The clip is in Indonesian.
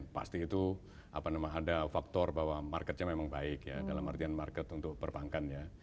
pasti itu ada faktor bahwa marketnya memang baik ya dalam artian market untuk perbankan ya